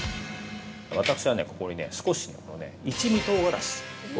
◆私はね、ここに少しの一味とうがらしを。